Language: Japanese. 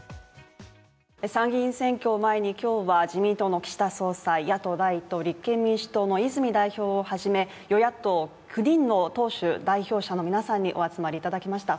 参議院選挙を前に今日は自民党の岸田総裁、野党第１党、立憲民主党の泉代表をはじめ与野党９人の党首・代表者の皆さんにお集まりいただきました。